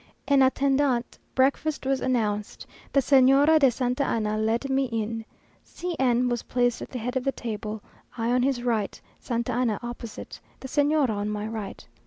En attendant, breakfast was announced. The Señora de Santa Anna led me in. C n was placed at the head of the table, I on his right, Santa Anna opposite, the Señora on my right.